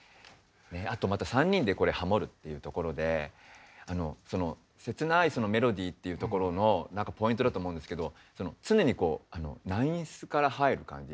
あとまた３人でこれハモるっていうところで切ないそのメロディーっていうところのなんかポイントだと思うんですけど常にこうナインスから入る感じ？